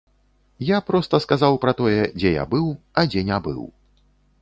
Я проста сказаў пра тое, дзе я быў а дзе не быў.